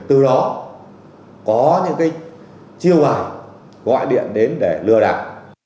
từ đó có những chiêu gọi gọi điện đến để lừa đảo